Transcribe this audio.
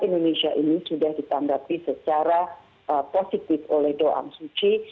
ini sudah ditandati secara positif oleh doa suci